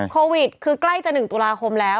โควิดคือใกล้จะ๑ตุลาคมแล้ว